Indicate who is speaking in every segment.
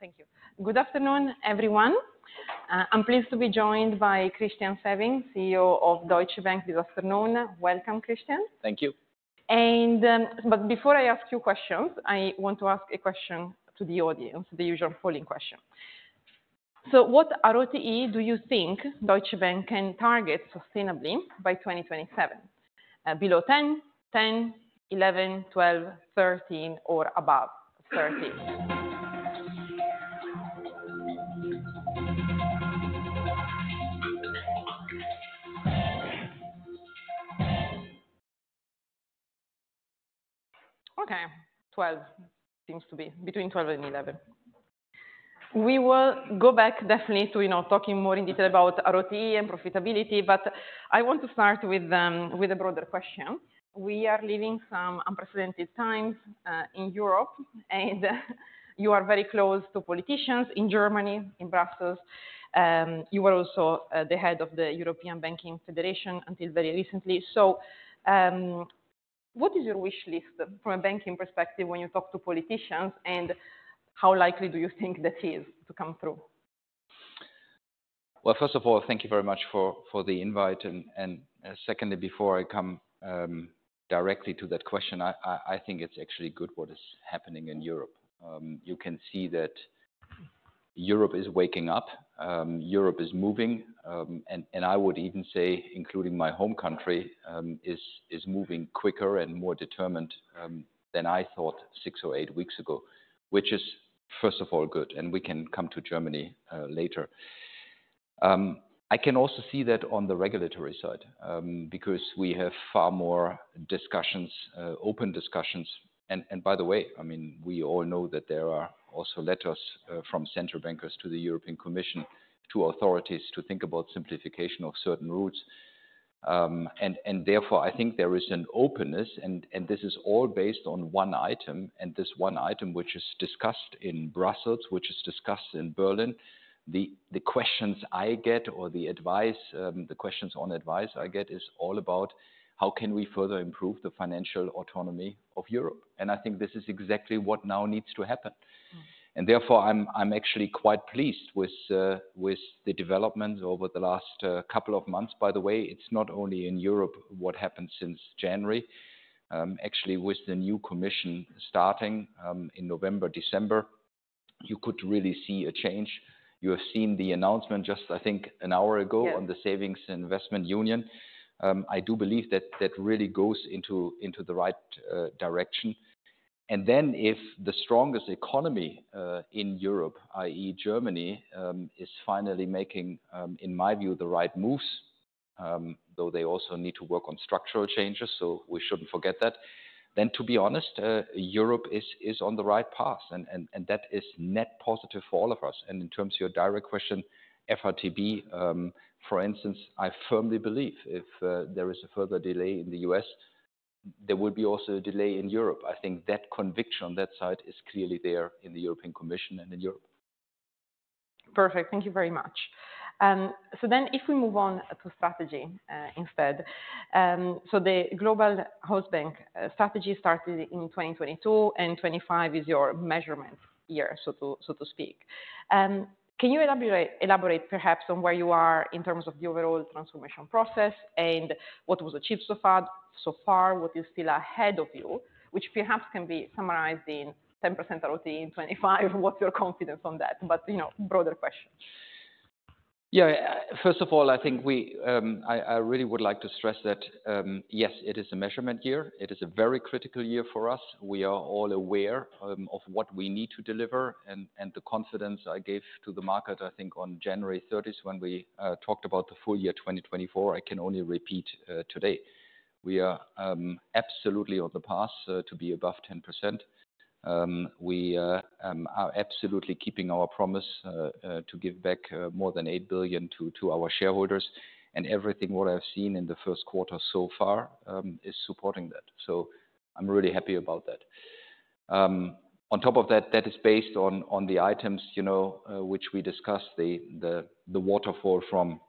Speaker 1: Thank you. Good afternoon, everyone. I'm pleased to be joined by Christian Sewing, CEO of Deutsche Bank, this afternoon. Welcome, Christian.
Speaker 2: Thank you.
Speaker 1: Before I ask you questions, I want to ask a question to the audience, the usual polling question. What RoTE do you think Deutsche Bank can target sustainably by 2027? Below 10, 10, 11, 12, 13, or above 13? Okay, 12 seems to be between 12 and 11. We will go back definitely to talking more in detail about RoTE and profitability, but I want to start with a broader question. We are living some unprecedented times in Europe, and you are very close to politicians in Germany, in Brussels. You were also the Head of the European Banking Federation until very recently. What is your wish list from a banking perspective when you talk to politicians, and how likely do you think that is to come through?
Speaker 2: First of all, thank you very much for the invite. Secondly, before I come directly to that question, I think it's actually good what is happening in Europe. You can see that Europe is waking up. Europe is moving. I would even say, including my home country, is moving quicker and more determined than I thought six or eight weeks ago, which is, first of all, good. We can come to Germany later. I can also see that on the regulatory side because we have far more discussions, open discussions. By the way, I mean, we all know that there are also letters from central bankers to the European Commission, to authorities, to think about simplification of certain routes. Therefore, I think there is an openness. This is all based on one item. This one item, which is discussed in Brussels, which is discussed in Berlin, the questions I get or the advice, the questions on advice I get is all about how can we further improve the financial autonomy of Europe. I think this is exactly what now needs to happen. Therefore, I'm actually quite pleased with the developments over the last couple of months. By the way, it's not only in Europe what happened since January. Actually, with the new Commission starting in November, December, you could really see a change. You have seen the announcement just, I think, an hour ago on the Savings and Investment Union. I do believe that that really goes into the right direction. If the strongest economy in Europe, i.e., Germany, is finally making, in my view, the right moves, though they also need to work on structural changes, so we shouldn't forget that, to be honest, Europe is on the right path. That is net positive for all of us. In terms of your direct question, FRTB, for instance, I firmly believe if there is a further delay in the U.S., there will be also a delay in Europe. I think that conviction on that side is clearly there in the European Commission and in Europe.
Speaker 1: Perfect. Thank you very much. If we move on to strategy instead, the Global Hausbank strategy started in 2022, and 2025 is your measurement year, so to speak. Can you elaborate perhaps on where you are in terms of the overall transformation process and what was achieved so far, what is still ahead of you, which perhaps can be summarized in 10% RoTE in 2025? What's your confidence on that? Broader question.
Speaker 2: Yeah. First of all, I think I really would like to stress that, yes, it is a measurement year. It is a very critical year for us. We are all aware of what we need to deliver. The confidence I gave to the market, I think on January 30, when we talked about the full year 2024, I can only repeat today. We are absolutely on the path to be above 10%. We are absolutely keeping our promise to give back more than 8 billion to our shareholders. Everything I have seen in the first quarter so far is supporting that. I am really happy about that. On top of that, that is based on the items which we discussed, the waterfall from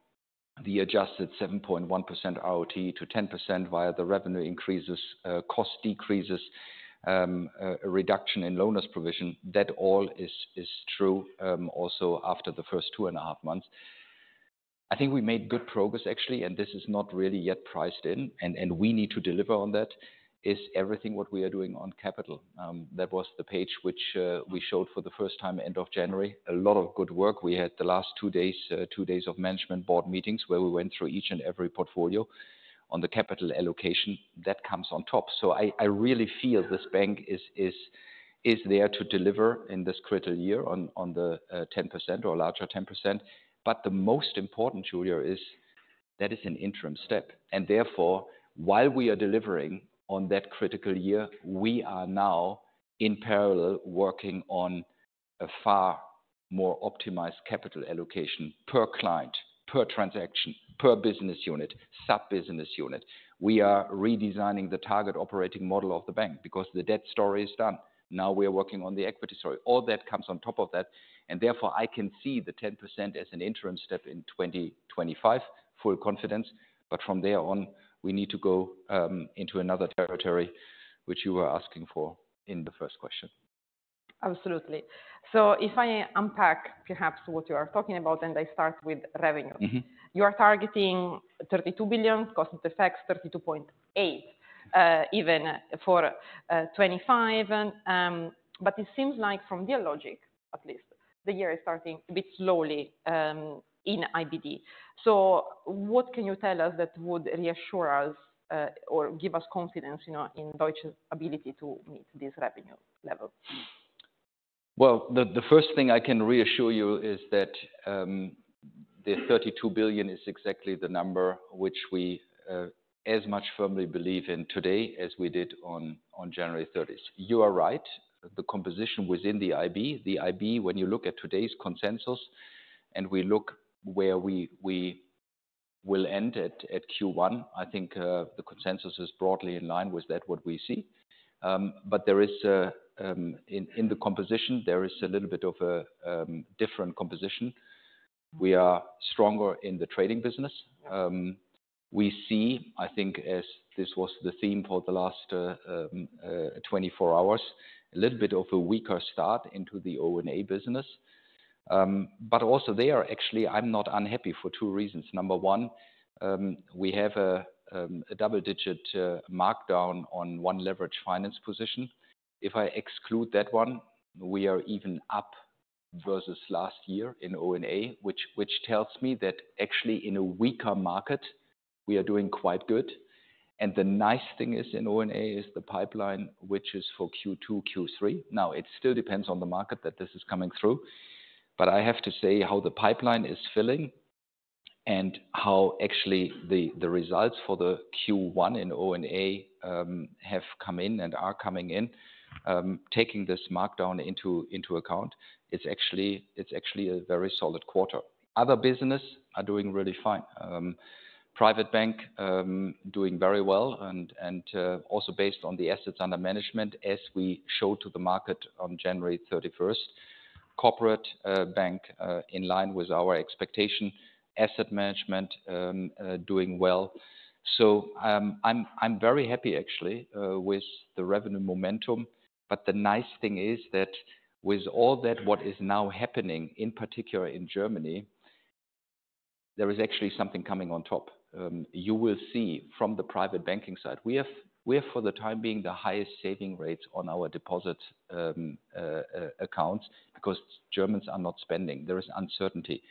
Speaker 2: the adjusted 7.1% RoTE to 10% via the revenue increases, cost decreases, a reduction in loan loss provision. That all is true also after the first two and a half months. I think we made good progress, actually, and this is not really yet priced in, and we need to deliver on that, is everything what we are doing on capital. That was the page which we showed for the first time end of January. A lot of good work. We had the last two days of management board meetings where we went through each and every portfolio on the capital allocation. That comes on top. I really feel this bank is there to deliver in this critical year on the 10% or larger 10%. The most important, Julia, is that is an interim step. Therefore, while we are delivering on that critical year, we are now in parallel working on a far more optimized capital allocation per client, per transaction, per business unit, sub-business unit. We are redesigning the target operating model of the bank because the debt story is done. Now we are working on the equity story. All that comes on top of that. I can see the 10% as an interim step in 2025, full confidence. From there on, we need to go into another territory, which you were asking for in the first question.
Speaker 1: Absolutely. If I unpack perhaps what you are talking about, and I start with revenue, you are targeting 32 billion, consensus expects 32.8 billion even for 2025. It seems like from Dealogic, at least, the year is starting a bit slowly in IBD. What can you tell us that would reassure us or give us confidence in Deutsche's ability to meet this revenue level?
Speaker 2: The first thing I can reassure you is that the 32 billion is exactly the number which we as much firmly believe in today as we did on January 30. You are right. The composition within the IB, the IB, when you look at today's consensus and we look where we will end at Q1, I think the consensus is broadly in line with that, what we see. In the composition, there is a little bit of a different composition. We are stronger in the trading business. We see, I think, as this was the theme for the last 24 hours, a little bit of a weaker start into the O&A business. Also there, actually, I'm not unhappy for two reasons. Number one, we have a double-digit markdown on one leveraged finance position. If I exclude that one, we are even up versus last year in O&A, which tells me that actually in a weaker market, we are doing quite good. The nice thing is in O&A is the pipeline, which is for Q2, Q3. Now, it still depends on the market that this is coming through. I have to say how the pipeline is filling and how actually the results for the Q1 in O&A have come in and are coming in, taking this markdown into account, it's actually a very solid quarter. Other business are doing really fine. Private Bank doing very well and also based on the assets under management, as we showed to the market on January 31. Corporate Bank in line with our expectation. Asset Management doing well. I am very happy, actually, with the revenue momentum. The nice thing is that with all that, what is now happening, in particular in Germany, there is actually something coming on top. You will see from the Private Banking side, we have for the time being the highest saving rates on our deposit accounts because Germans are not spending. There is uncertainty.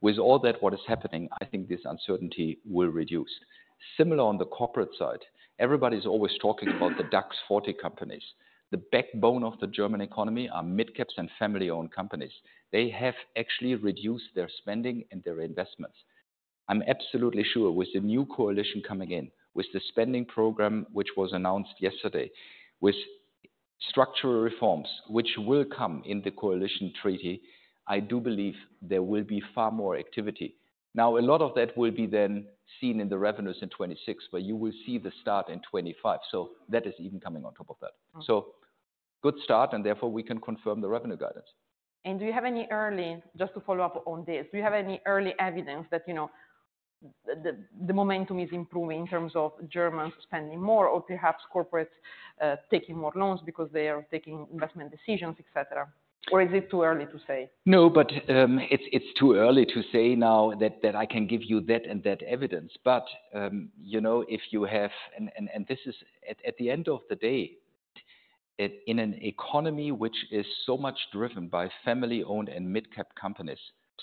Speaker 2: With all that, what is happening, I think this uncertainty will reduce. Similar on the corporate side, everybody's always talking about the DAX 40 companies. The backbone of the German economy are mid-caps and family-owned companies. They have actually reduced their spending and their investments. I'm absolutely sure with the new coalition coming in, with the spending program, which was announced yesterday, with structural reforms, which will come in the coalition treaty, I do believe there will be far more activity. Now, a lot of that will be then seen in the revenues in 2026, but you will see the start in 2025. That is even coming on top of that. Good start, and therefore we can confirm the revenue guidance.
Speaker 1: Do you have any early, just to follow up on this, do you have any early evidence that the momentum is improving in terms of Germans spending more or perhaps corporates taking more loans because they are taking investment decisions, etc.? Or is it too early to say?
Speaker 2: No, but it's too early to say now that I can give you that and that evidence. If you have, and this is at the end of the day, in an economy which is so much driven by family-owned and mid-cap companies,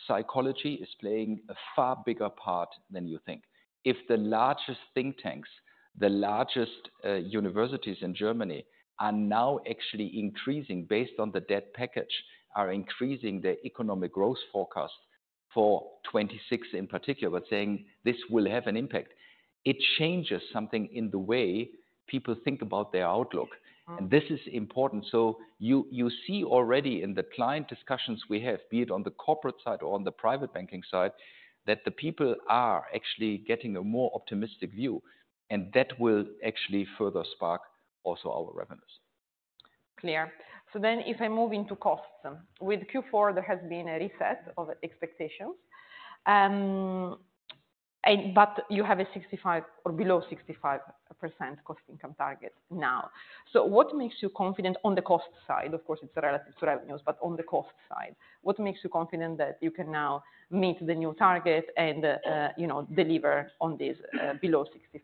Speaker 2: psychology is playing a far bigger part than you think. If the largest think tanks, the largest universities in Germany are now actually increasing based on the debt package, are increasing their economic growth forecast for 2026 in particular, but saying this will have an impact, it changes something in the way people think about their outlook. This is important. You see already in the client discussions we have, be it on the corporate side or on the Private Banking side, that the people are actually getting a more optimistic view. That will actually further spark also our revenues.
Speaker 1: Clear. If I move into cost income, with Q4, there has been a reset of expectations. You have a 65% or below 65% cost income target now. What makes you confident on the cost side? Of course, it is relative to revenues, but on the cost side, what makes you confident that you can now meet the new target and deliver on this below 65%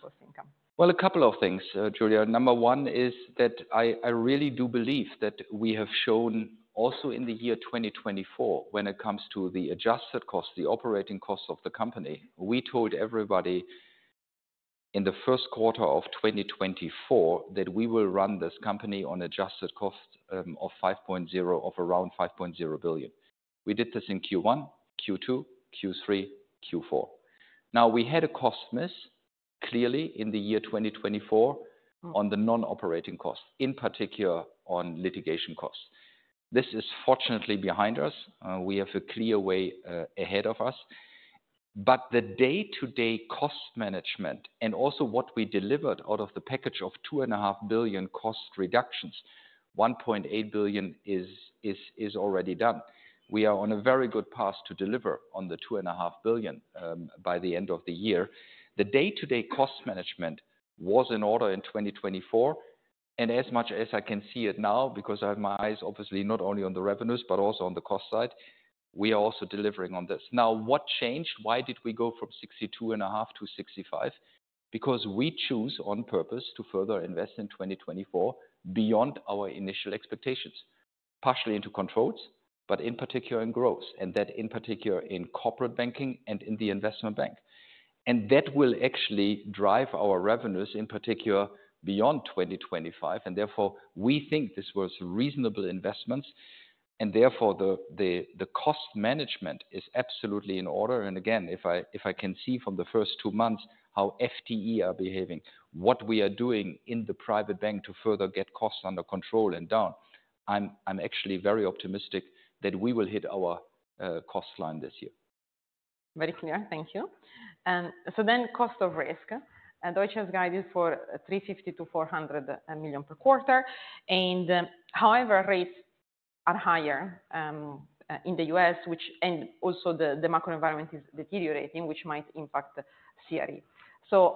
Speaker 1: cost income?
Speaker 2: A couple of things, Julia. Number one is that I really do believe that we have shown also in the year 2024, when it comes to the adjusted cost, the operating cost of the company, we told everybody in the first quarter of 2024 that we will run this company on adjusted cost of 5.0 billion, of around 5.0 billion. We did this in Q1, Q2, Q3, Q4. We had a cost miss clearly in the year 2024 on the non-operating cost, in particular on litigation costs. This is fortunately behind us. We have a clear way ahead of us. The day-to-day cost management and also what we delivered out of the package of 2.5 billion cost reductions, 1.8 billion is already done. We are on a very good path to deliver on the 2.5 billion by the end of the year. The day-to-day cost management was in order in 2024. As much as I can see it now, because I have my eyes obviously not only on the revenues, but also on the cost side, we are also delivering on this. Now, what changed? Why did we go from 62.5% to 65%? We choose on purpose to further invest in 2024 beyond our initial expectations, partially into controls, but in particular in growth, and that in particular in corporate banking and in the Investment Bank. That will actually drive our revenues in particular beyond 2025. Therefore, we think this was reasonable investments. Therefore, the cost management is absolutely in order. If I can see from the first two months how FTE are behaving, what we are doing in the Private Bank to further get costs under control and down, I'm actually very optimistic that we will hit our cost line this year.
Speaker 1: Very clear. Thank you. Cost of risk. Deutsche has guided for 350 million-400 million per quarter. However, rates are higher in the U.S., and also the macro environment is deteriorating, which might impact CRE.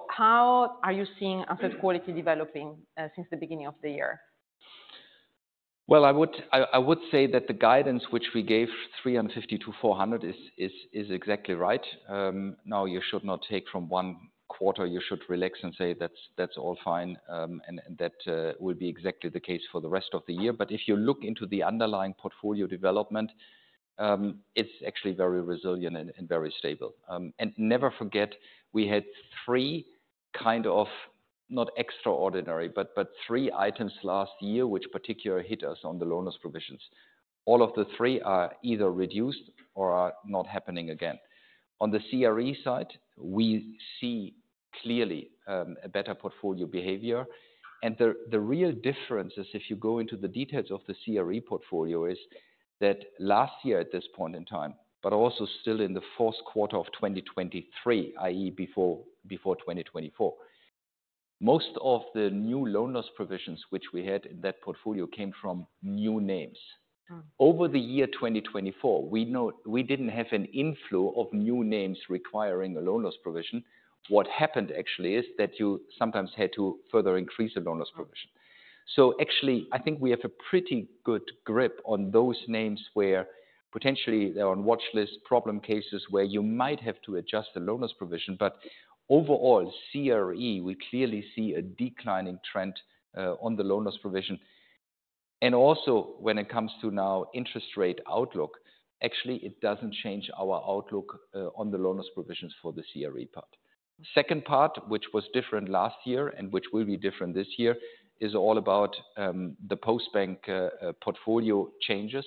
Speaker 1: How are you seeing asset quality developing since the beginning of the year?
Speaker 2: I would say that the guidance which we gave 350 million-400 million is exactly right. You should not take from one quarter. You should relax and say that's all fine. That will be exactly the case for the rest of the year. If you look into the underlying portfolio development, it's actually very resilient and very stable. Never forget, we had three kind of not extraordinary, but three items last year which particularly hit us on the loan loss provisions. All of the three are either reduced or are not happening again. On the CRE side, we see clearly a better portfolio behavior. The real difference is if you go into the details of the CRE portfolio is that last year at this point in time, but also still in the fourth quarter of 2023, i.e., before 2024, most of the new loan loss provisions which we had in that portfolio came from new names. Over the year 2024, we did not have an inflow of new names requiring a loan loss provision. What happened actually is that you sometimes had to further increase a loan loss provision. Actually, I think we have a pretty good grip on those names where potentially they are on watch list problem cases where you might have to adjust the loan loss provision. Overall, CRE, we clearly see a declining trend on the loan loss provision. Also, when it comes to now interest rate outlook, actually it does not change our outlook on the loan loss provisions for the CRE part. Second part, which was different last year and which will be different this year, is all about the Postbank portfolio changes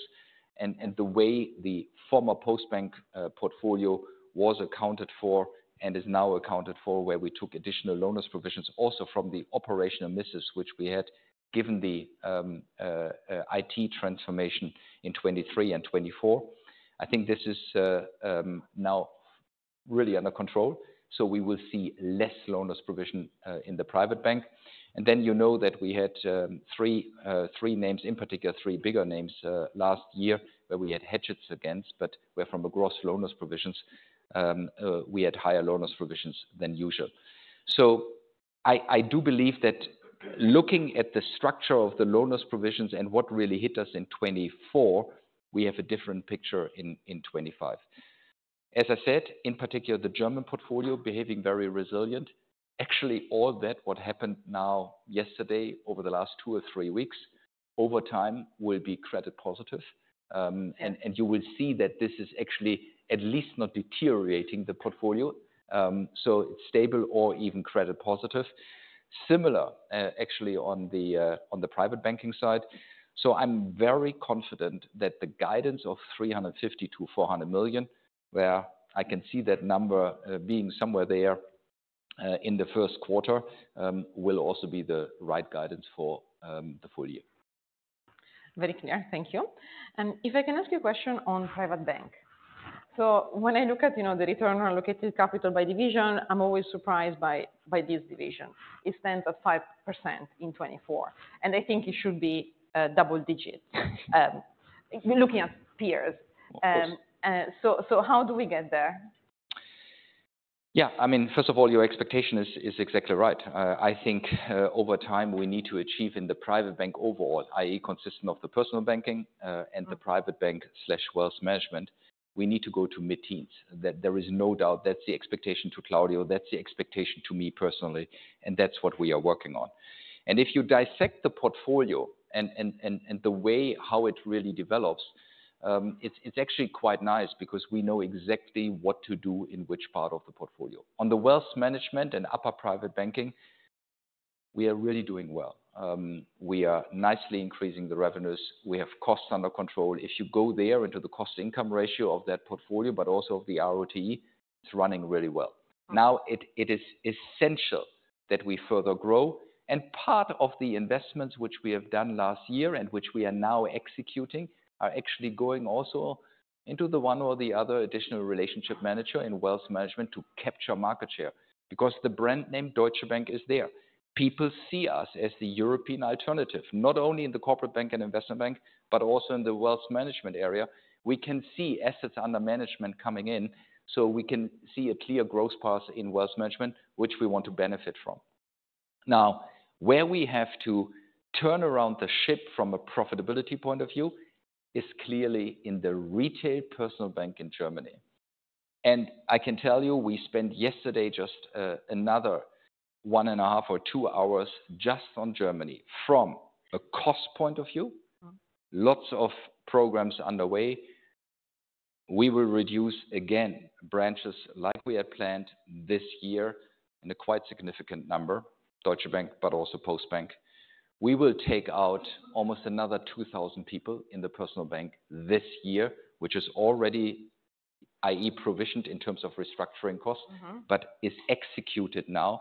Speaker 2: and the way the former Postbank portfolio was accounted for and is now accounted for where we took additional loan loss provisions also from the operational misses which we had given the IT transformation in 2023 and 2024. I think this is now really under control. We will see less loan loss provision in the private bank. And then you know that we had three names, in particular three bigger names last year where we had hedged against, but where from across loan loss provisions, we had higher loan loss provisions than usual. I do believe that looking at the structure of the loan loss provisions and what really hit us in 2024, we have a different picture in 2025. As I said, in particular, the German portfolio behaving very resilient. Actually, all that what happened now yesterday over the last two or three weeks over time will be credit positive. You will see that this is actually at least not deteriorating the portfolio. It is stable or even credit positive. Similar actually on the Private Banking side. I am very confident that the guidance of 350 million-400 million, where I can see that number being somewhere there in the first quarter, will also be the right guidance for the full year.
Speaker 1: Very clear. Thank you. If I can ask you a question on Private Bank. When I look at the return on allocated capital by division, I'm always surprised by this division. It stands at 5% in 2024. I think it should be double-digits looking at peers. How do we get there?
Speaker 2: Yeah. I mean, first of all, your expectation is exactly right. I think over time we need to achieve in the Private Bank overall, i.e., consistent of the Personal Banking and the Private Bank/Wealth Management, we need to go to mid-teens. There is no doubt that is the expectation to Claudio. That is the expectation to me personally. That is what we are working on. If you dissect the portfolio and the way how it really develops, it is actually quite nice because we know exactly what to do in which part of the portfolio. On the Wealth Management and upper Private Banking, we are really doing well. We are nicely increasing the revenues. We have costs under control. If you go there into the cost/income ratio of that portfolio, but also of the RoTE, it is running really well. It is essential that we further grow. Part of the investments which we have done last year and which we are now executing are actually going also into the one or the other additional relationship manager in Wealth Management to capture market share because the brand name Deutsche Bank is there. People see us as the European alternative, not only in the Corporate Bank and Investment Bank, but also in the Wealth Management area. We can see assets under management coming in. We can see a clear growth path in Wealth Management, which we want to benefit from. Now, where we have to turn around the ship from a profitability point of view is clearly in the retail Personal Bank in Germany. I can tell you, we spent yesterday just another one and a half or two hours just on Germany from a cost point of view. Lots of programs underway. We will reduce again branches like we had planned this year in a quite significant number, Deutsche Bank, but also Postbank. We will take out almost another 2,000 people in the Personal Bank this year, which is already, i.e., provisioned in terms of restructuring costs, but is executed now.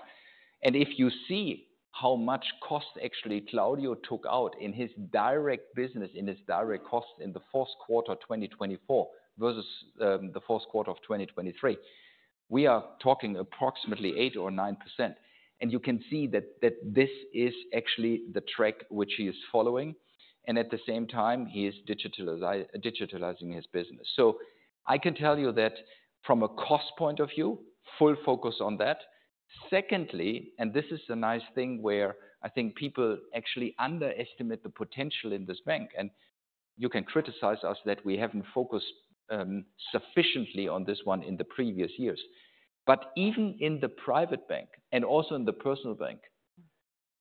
Speaker 2: If you see how much cost actually Claudio took out in his direct business, in his direct costs in the fourth quarter 2024 versus the fourth quarter of 2023, we are talking approximately 8% or 9%. You can see that this is actually the track which he is following. At the same time, he is digitalizing his business. I can tell you that from a cost point of view, full focus on that. Secondly, and this is a nice thing where I think people actually underestimate the potential in this bank. You can criticize us that we have not focused sufficiently on this one in previous years. Even in the Private Bank and also in the Personal Bank,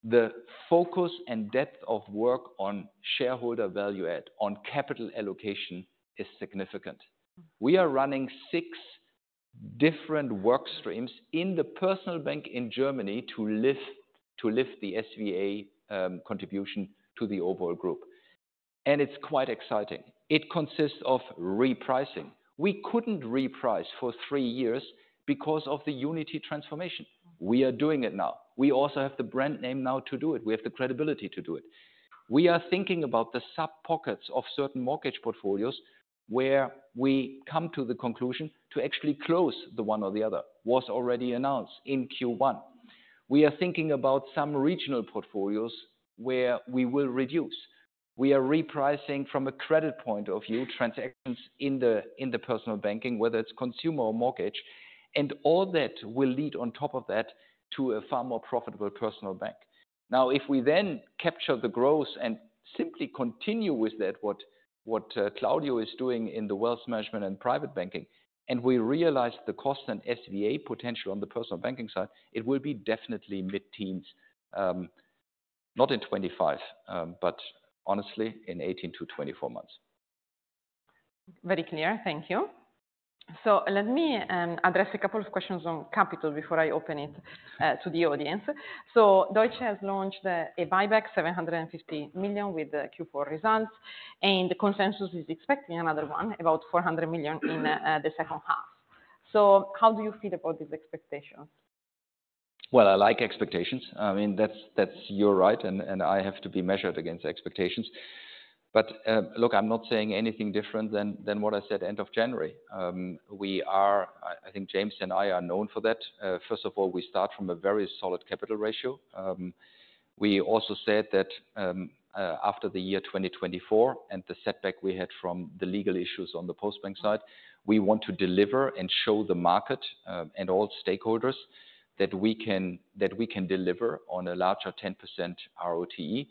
Speaker 2: the focus and depth of work on shareholder value add, on capital allocation is significant. We are running six different work streams in the Personal Bank in Germany to lift the SVA contribution to the overall group, and it is quite exciting. It consists of repricing. We could not reprice for three years because of the Unity transformation. We are doing it now. We also have the brand name now to do it. We have the credibility to do it. We are thinking about the sub-pockets of certain mortgage portfolios where we come to the conclusion to actually close the one or the other, which was already announced in Q1. We are thinking about some regional portfolios where we will reduce. We are repricing from a credit point of view, transactions in the Personal Banking, whether it's consumer or mortgage. All that will lead on top of that to a far more profitable Personal Bank. Now, if we then capture the growth and simply continue with that, what Claudio is doing in the Wealth Management and Private Banking, and we realize the cost and SVA potential on the Personal Banking side, it will be definitely mid-teens, not in 2025, but honestly in 18-24 months.
Speaker 1: Very clear. Thank you. Let me address a couple of questions on capital before I open it to the audience. Deutsche has launched a buyback, 750 million with Q4 results. The consensus is expecting another one, about 400 million in the second half. How do you feel about these expectations?
Speaker 2: I like expectations. I mean, that's your right. I have to be measured against expectations. Look, I'm not saying anything different than what I said end of January. We are, I think James and I are known for that. First of all, we start from a very solid capital ratio. We also said that after the year 2024 and the setback we had from the legal issues on the Postbank side, we want to deliver and show the market and all stakeholders that we can deliver on a larger 10% RoTE.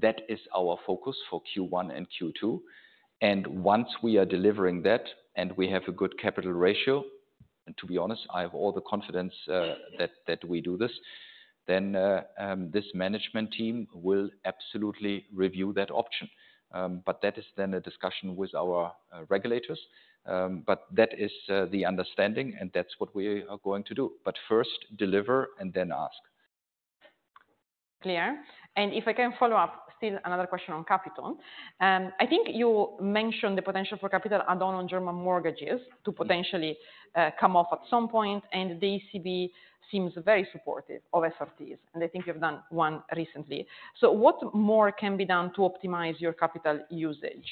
Speaker 2: That is our focus for Q1 and Q2. Once we are delivering that and we have a good capital ratio, and to be honest, I have all the confidence that we do this, this management team will absolutely review that option. That is then a discussion with our regulators. That is the understanding and that's what we are going to do. First deliver and then ask.
Speaker 1: Clear. If I can follow up, still another question on capital. I think you mentioned the potential for capital add-on on German mortgages to potentially come off at some point. The ECB seems very supportive of SRTs. I think you've done one recently. What more can be done to optimize your capital usage?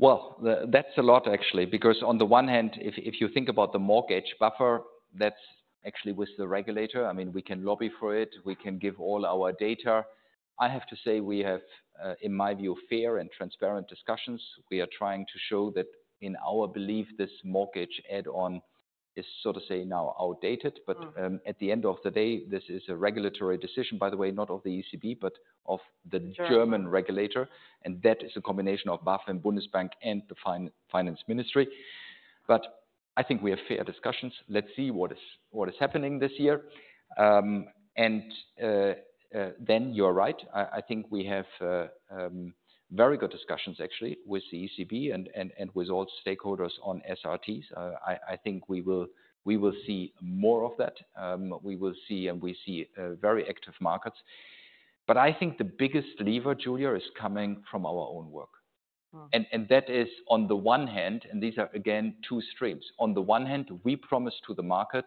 Speaker 2: That is a lot actually. Because on the one hand, if you think about the mortgage buffer, that is actually with the regulator. I mean, we can lobby for it. We can give all our data. I have to say we have, in my view, fair and transparent discussions. We are trying to show that in our belief, this mortgage add-on is sort of saying now outdated. At the end of the day, this is a regulatory decision, by the way, not of the ECB, but of the German regulator. That is a combination of BaFin, Bundesbank, and the Finance Ministry. I think we have fair discussions. Let's see what is happening this year. You are right. I think we have very good discussions actually with the ECB and with all stakeholders on SRTs. I think we will see more of that. We will see and we see very active markets. I think the biggest lever, Julia, is coming from our own work. That is on the one hand, and these are again two streams. On the one hand, we promised to the market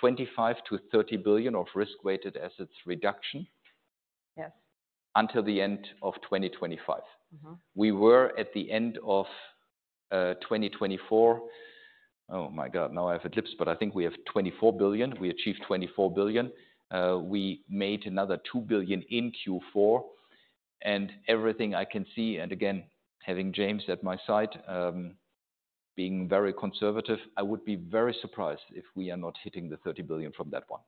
Speaker 2: 25 billion-30 billion of risk-weighted assets reduction until the end of 2025. We were at the end of 2024, oh my God, now I have ellipsed, but I think we have 24 billion. We achieved 24 billion. We made another 2 billion in Q4. Everything I can see, and again, having James at my side being very conservative, I would be very surprised if we are not hitting the 30 billion from that one.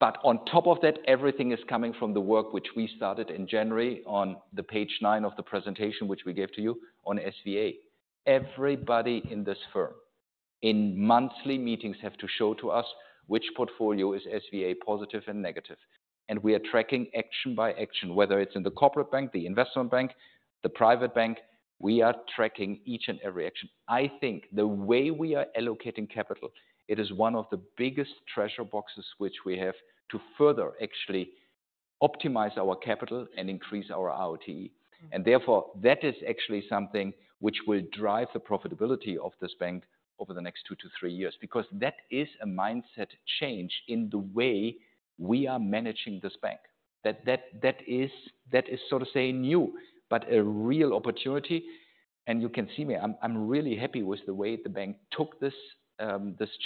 Speaker 2: On top of that, everything is coming from the work which we started in January on the page nine of the presentation which we gave to you on SVA. Everybody in this firm in monthly meetings have to show to us which portfolio is SVA positive and negative. We are tracking action by action, whether it's in the Corporate Bank, the Investment Bank, the Private Bank. We are tracking each and every action. I think the way we are allocating capital, it is one of the biggest treasure boxes which we have to further actually optimize our capital and increase our RoTE. That is actually something which will drive the profitability of this bank over the next two to three years because that is a mindset change in the way we are managing this bank. That is sort of saying new, but a real opportunity. You can see me, I'm really happy with the way the bank took this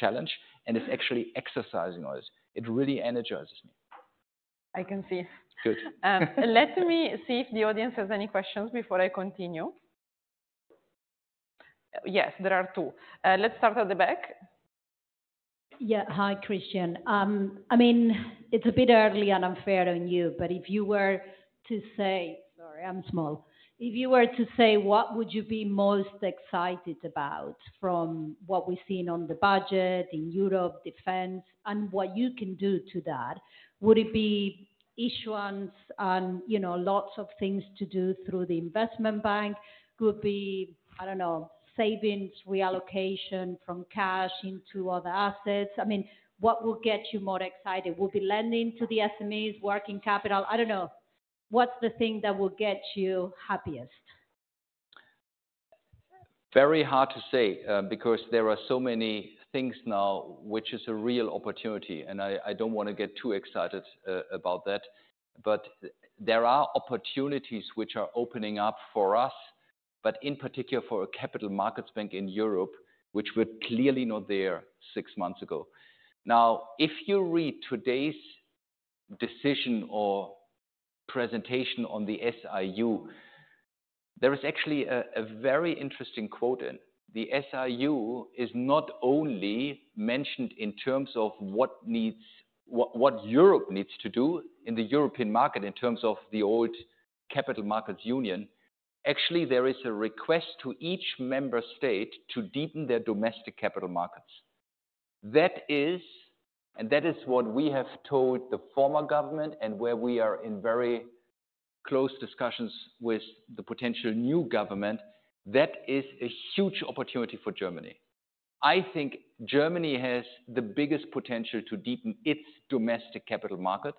Speaker 2: challenge. It's actually exercising us. It really energizes me.
Speaker 1: I can see.
Speaker 2: Good.
Speaker 1: Let me see if the audience has any questions before I continue. Yes, there are two. Let's start at the back.
Speaker 3: Yeah. Hi, Christian. I mean, it's a bit early and unfair on you, but if you were to say, sorry, I'm small. If you were to say, what would you be most excited about from what we've seen on the budget in Europe, Defense, and what you can do to that, would it be issuance and lots of things to do through the Investment Bank? Could be, I don't know, savings, reallocation from cash into other assets. I mean, what will get you more excited? Would be lending to the SMEs, working capital? I don't know. What's the thing that will get you happiest?
Speaker 2: Very hard to say because there are so many things now, which is a real opportunity. I do not want to get too excited about that. There are opportunities which are opening up for us, but in particular for a capital markets bank in Europe, which were clearly not there six months ago. If you read today's decision or presentation on the SIU, there is actually a very interesting quote in. The SIU is not only mentioned in terms of what Europe needs to do in the European market in terms of the old Capital Markets Union. Actually, there is a request to each member state to deepen their domestic capital markets. That is, and that is what we have told the former government and where we are in very close discussions with the potential new government. That is a huge opportunity for Germany. I think Germany has the biggest potential to deepen its domestic capital market.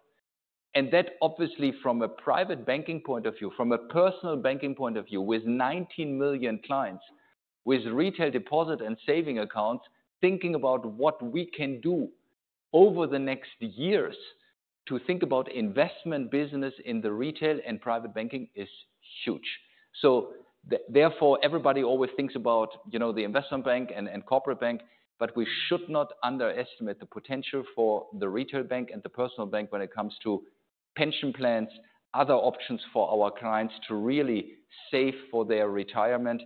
Speaker 2: That obviously from a Private Banking point of view, from a Personal Banking point of view, with 19 million clients, with retail deposit and saving accounts, thinking about what we can do over the next years to think about investment business in the retail and Private Banking is huge. Therefore, everybody always thinks about the Investment Bank and Corporate Bank, but we should not underestimate the potential for the retail bank and the Personal Bank when it comes to pension plans, other options for our clients to really save for their retirement.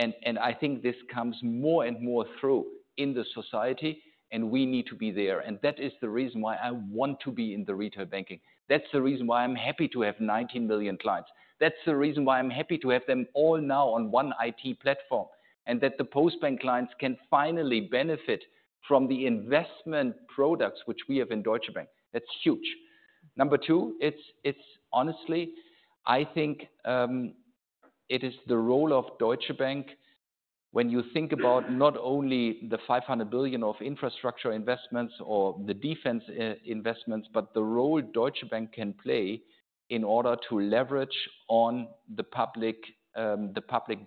Speaker 2: I think this comes more and more through in the society, and we need to be there. That is the reason why I want to be in the retail banking. That's the reason why I'm happy to have 19 million clients. That's the reason why I'm happy to have them all now on one IT platform and that the Postbank clients can finally benefit from the investment products which we have in Deutsche Bank. That's huge. Number two, honestly, I think it is the role of Deutsche Bank when you think about not only the 500 billion of infrastructure investments or the defense investments, but the role Deutsche Bank can play in order to leverage on the public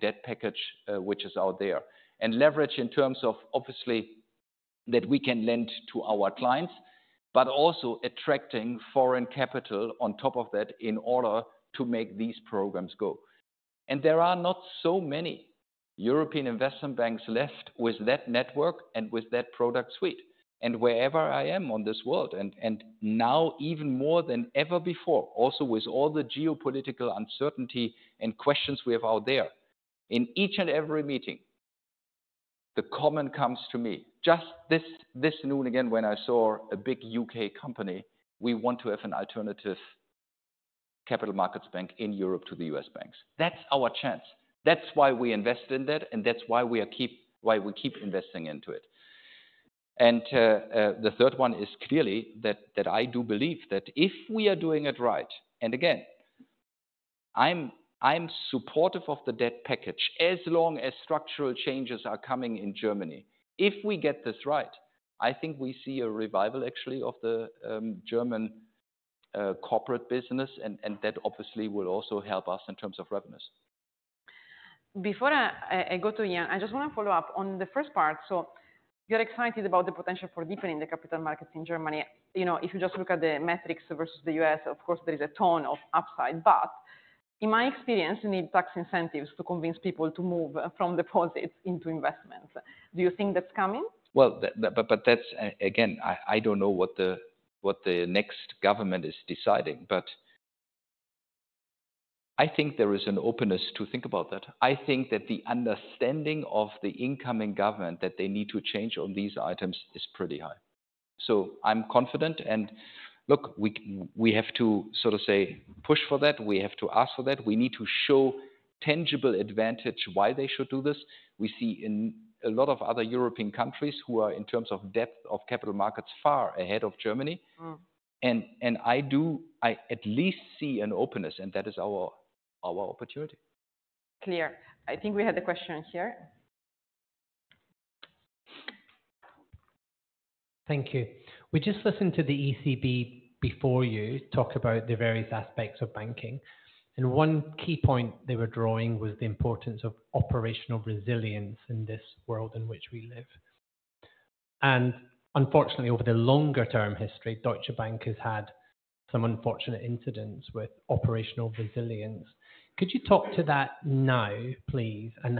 Speaker 2: debt package which is out there. Leverage in terms of obviously that we can lend to our clients, but also attracting foreign capital on top of that in order to make these programs go. There are not so many European investment banks left with that network and with that product suite. Wherever I am in this world, now even more than ever before, also with all the geopolitical uncertainty and questions we have out there, in each and every meeting, the comment comes to me. Just this noon again when I saw a big U.K. company, we want to have an alternative capital markets bank in Europe to the U.S. banks. That is our chance. That is why we invest in that, and that is why we keep investing into it. The third one is clearly that I do believe that if we are doing it right, and again, I am supportive of the debt package as long as structural changes are coming in Germany. If we get this right, I think we see a revival actually of the German corporate business, and that obviously will also help us in terms of revenues.
Speaker 1: Before I go to Jan, I just want to follow up on the first part. You are excited about the potential for deepening the capital markets in Germany. If you just look at the metrics versus the U.S., of course, there is a ton of upside. In my experience, you need tax incentives to convince people to move from deposits into investments. Do you think that's coming?
Speaker 2: That is again, I do not know what the next government is deciding, but I think there is an openness to think about that. I think that the understanding of the incoming government that they need to change on these items is pretty high. I am confident. Look, we have to sort of say push for that. We have to ask for that. We need to show tangible advantage why they should do this. We see in a lot of other European countries who are in terms of depth of capital markets far ahead of Germany. I do at least see an openness, and that is our opportunity.
Speaker 1: Clear. I think we had a question here.
Speaker 4: Thank you. We just listened to the ECB before you talk about the various aspects of banking. One key point they were drawing was the importance of operational resilience in this world in which we live. Unfortunately, over the longer-term history, Deutsche Bank has had some unfortunate incidents with operational resilience. Could you talk to that now, please, and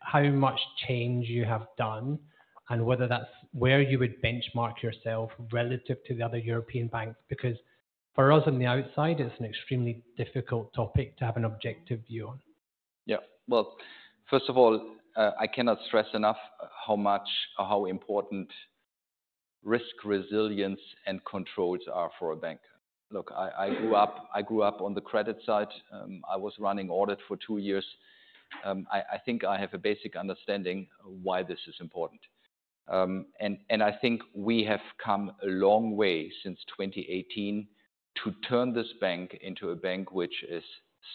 Speaker 4: how much change you have done and whether that's where you would benchmark yourself relative to the other European banks? For us on the outside, it's an extremely difficult topic to have an objective view on.
Speaker 2: Yeah. First of all, I cannot stress enough how important risk resilience and controls are for a bank. Look, I grew up on the credit side. I was running audit for two years. I think I have a basic understanding why this is important. I think we have come a long way since 2018 to turn this bank into a bank which is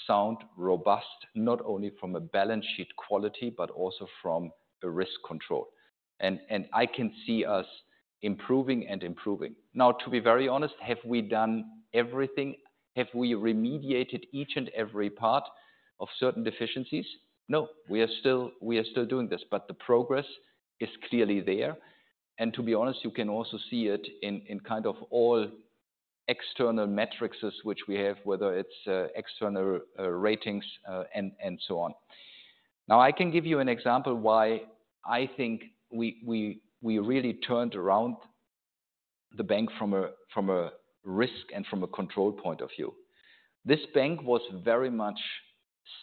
Speaker 2: sound, robust, not only from a balance sheet quality, but also from a risk control. I can see us improving and improving. To be very honest, have we done everything? Have we remediated each and every part of certain deficiencies? No, we are still doing this, but the progress is clearly there. To be honest, you can also see it in kind of all external metrics which we have, whether it's external ratings and so on. Now, I can give you an example why I think we really turned around the bank from a risk and from a control point of view. This bank was very much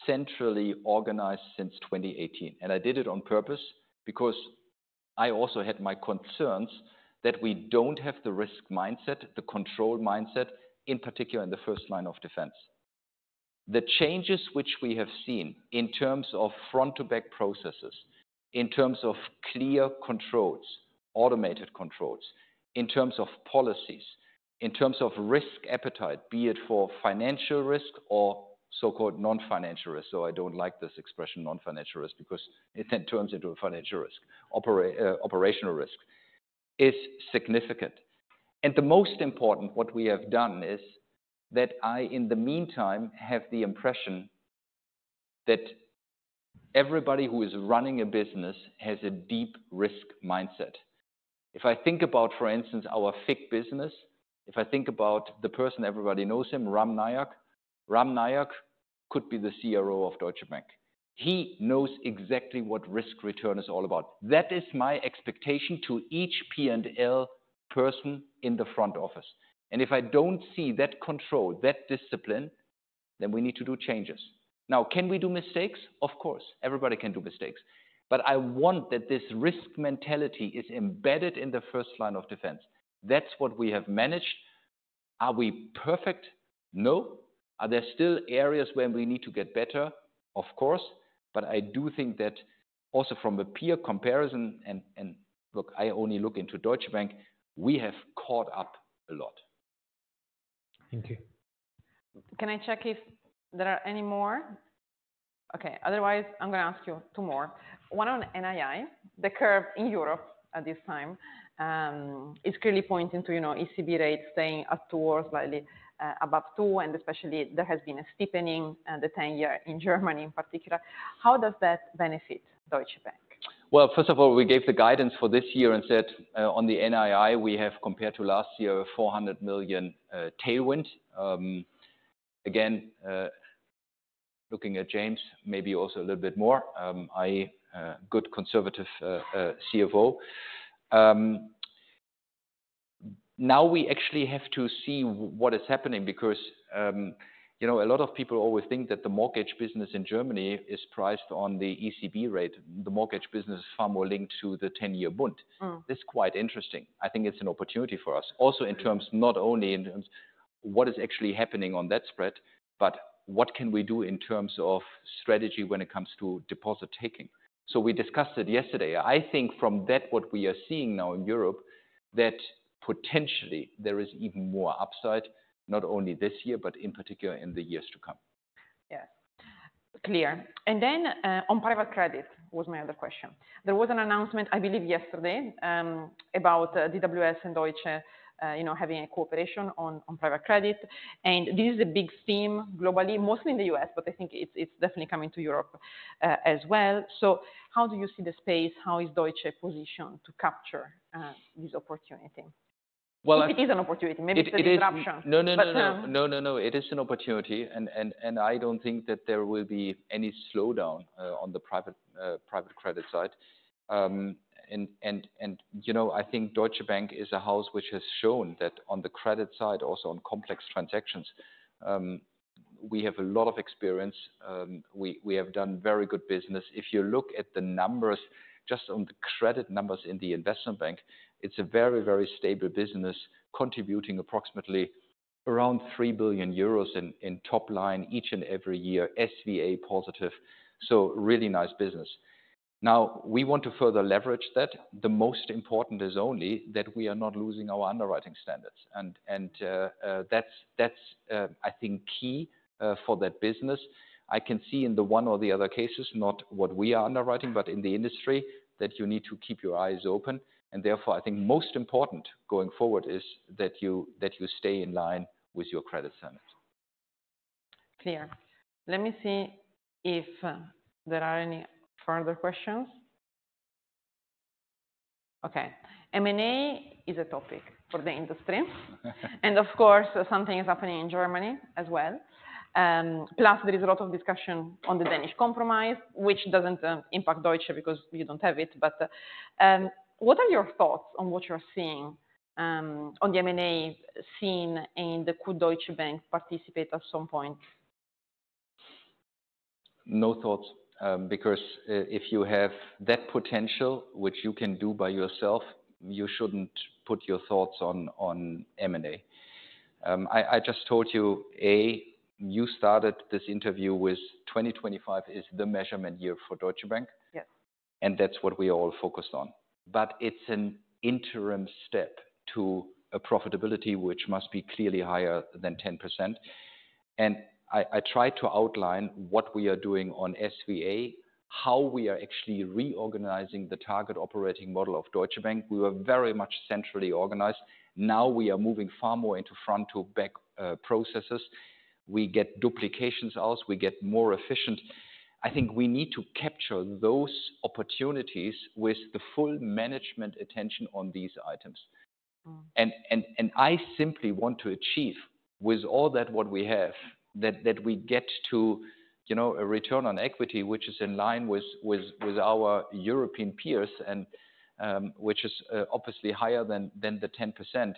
Speaker 2: centrally organized since 2018. I did it on purpose because I also had my concerns that we don't have the risk mindset, the control mindset, in particular in the first line of defense. The changes which we have seen in terms of front-to-back processes, in terms of clear controls, automated controls, in terms of policies, in terms of risk appetite, be it for financial risk or so-called non-financial risk. I don't like this expression non-financial risk because it turns into a financial risk, operational risk, is significant. The most important what we have done is that I, in the meantime, have the impression that everybody who is running a business has a deep risk mindset. If I think about, for instance, our FIC business, if I think about the person everybody knows him, Ram Nayak, Ram Nayak could be the CRO of Deutsche Bank. He knows exactly what risk return is all about. That is my expectation to each P&L person in the front office. If I do not see that control, that discipline, then we need to do changes. Now, can we do mistakes? Of course. Everybody can do mistakes. I want that this risk mentality is embedded in the first line of defense. That is what we have managed. Are we perfect? No. Are there still areas where we need to get better? Of course. I do think that also from a peer comparison, and look, I only look into Deutsche Bank, we have caught up a lot.
Speaker 4: Thank you.
Speaker 1: Can I check if there are any more? Okay. Otherwise, I'm going to ask you two more. One on NII, the curve in Europe at this time is clearly pointing to ECB rates staying at two or slightly above two, and especially there has been a steepening in the 10-year in Germany in particular. How does that benefit Deutsche Bank?
Speaker 2: First of all, we gave the guidance for this year and said on the NII, we have compared to last year 400 million tailwind. Again, looking at James, maybe also a little bit more. I'm a good conservative CFO. Now we actually have to see what is happening because a lot of people always think that the mortgage business in Germany is priced on the ECB rate. The mortgage business is far more linked to the 10-year bond. This is quite interesting. I think it's an opportunity for us. Also not only in terms of what is actually happening on that spread, but what can we do in terms of strategy when it comes to deposit taking. We discussed it yesterday. I think from that what we are seeing now in Europe, that potentially there is even more upside, not only this year, but in particular in the years to come.
Speaker 1: Yes. Clear. Then on private credit was my other question. There was an announcement, I believe yesterday, about DWS and Deutsche having a cooperation on private credit. This is a big theme globally, mostly in the U.S., but I think it is definitely coming to Europe as well. How do you see the space? How is Deutsche positioned to capture this opportunity? If it is an opportunity, maybe it is a disruption.
Speaker 2: No, no, no, no, no. It is an opportunity. I don't think that there will be any slowdown on the private credit side. I think Deutsche Bank is a house which has shown that on the credit side, also on complex transactions, we have a lot of experience. We have done very good business. If you look at the numbers, just on the credit numbers in the Investment Bank, it's a very, very stable business contributing approximately around 3 billion euros in top line each and every year, SVA positive. Really nice business. Now, we want to further leverage that. The most important is only that we are not losing our underwriting standards. That's, I think, key for that business. I can see in the one or the other cases, not what we are underwriting, but in the industry, that you need to keep your eyes open. Therefore, I think most important going forward is that you stay in line with your credit standards.
Speaker 1: Clear. Let me see if there are any further questions. Okay. M&A is a topic for the industry. Of course, something is happening in Germany as well. Plus, there is a lot of discussion on the Danish Compromise, which does not impact Deutsche because you do not have it. What are your thoughts on what you are seeing on the M&A scene and could Deutsche Bank participate at some point?
Speaker 2: No thoughts because if you have that potential, which you can do by yourself, you shouldn't put your thoughts on M&A. I just told you, A, you started this interview with 2025 is the measurement year for Deutsche Bank. That is what we are all focused on. It is an interim step to a profitability which must be clearly higher than 10%. I tried to outline what we are doing on SVA, how we are actually reorganizing the target operating model of Deutsche Bank. We were very much centrally organized. Now we are moving far more into front-to-back processes. We get duplications out. We get more efficient. I think we need to capture those opportunities with the full management attention on these items. I simply want to achieve with all that what we have that we get to a return on equity which is in line with our European peers and which is obviously higher than the 10%.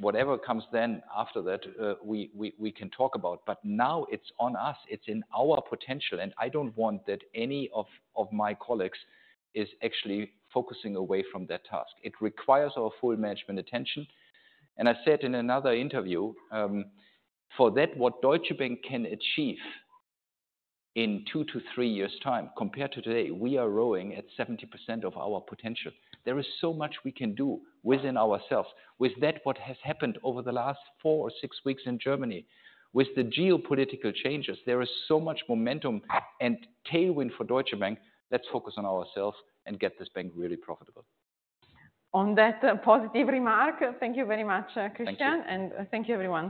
Speaker 2: Whatever comes then after that, we can talk about. Now it's on us. It's in our potential. I don't want that any of my colleagues is actually focusing away from that task. It requires our full management attention. I said in another interview, for that, what Deutsche Bank can achieve in two to three years' time compared to today, we are rowing at 70% of our potential. There is so much we can do within ourselves. With that, what has happened over the last four or six weeks in Germany with the geopolitical changes, there is so much momentum and tailwind for Deutsche Bank. Let's focus on ourselves and get this bank really profitable.
Speaker 1: On that positive remark, thank you very much, Christian. Thank you, everyone.